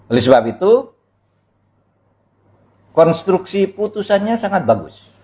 oleh sebab itu konstruksi putusannya sangat bagus